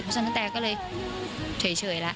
เพราะฉะนั้นแตก็เลยเฉยละ